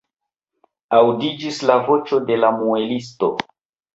Aŭdiĝis la voĉo de la muelisto.